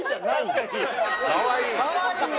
「かわいい」を。